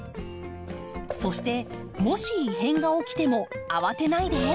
そしてもし異変が起きても慌てないで！